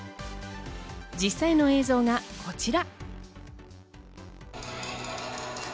実際の映像がこちら。